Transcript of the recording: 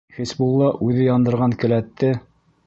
— Хисбулла үҙе яндырған келәтте.